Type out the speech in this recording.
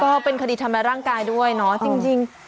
ก็เป็นคดีทำร้ายร่างกายด้วยเนาะจริง